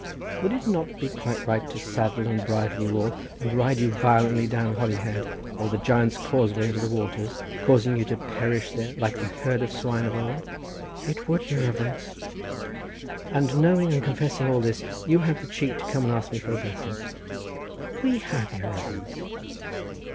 "Would it not be quite right to saddle and bridle you all, and ride you violently down Holyhead or the Giant's Causeway into the waters, causing you to perish there, like the herd of swine of old?" "It would, your reverence." "And knowing and confessing all this, you have the cheek to come and ask me for a blessing?" "We have, your reverence."